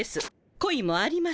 恋もありません。